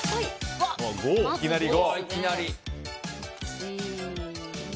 いきなり５。